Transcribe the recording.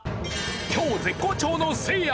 今日絶好調のせいや。